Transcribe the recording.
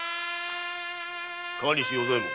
河西与左衛門。